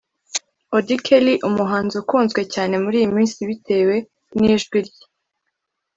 Auddy Kelly umuhanzi ukunzwe cyane muri iyi minsi bitewe n’ijwi rye